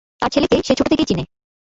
তার ছেলেকে সে ছোট থেকেই চিনে।